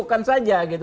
ujukan saja gitu